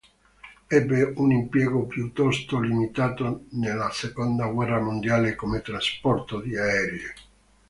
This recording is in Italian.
Ebbe un impiego piuttosto limitato nella seconda guerra mondiale come trasporto di aerei.